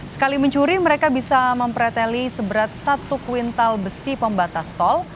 sekali mencuri mereka bisa mempreteli seberat satu kuintal besi pembatas tol